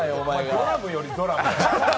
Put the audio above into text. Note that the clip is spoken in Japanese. ドラムだよ、ドラム。